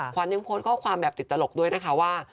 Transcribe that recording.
ขวัญยังโพสต์ข้อความแบบติดตลกด้วยนะคะว่า